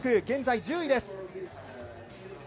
現在１０位です。